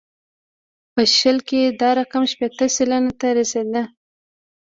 په شل کې دا رقم شپېته سلنې ته رسېده.